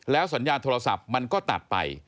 สัญญาณโทรศัพท์มันก็ตัดไป